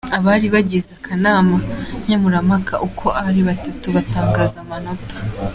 Abari bagize akanama nkemurampaka uko ari batatu batangaza amanota.